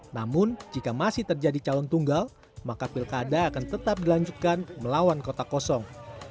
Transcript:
namun jika masih terjadi calon tunggal maka pilkada akan tetap dilanjutkan melawan kota kosong